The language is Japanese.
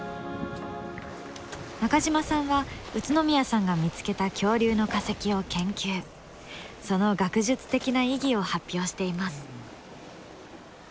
中島さんは宇都宮さんが見つけた恐竜の化石を研究その学術的な意義を発表しています。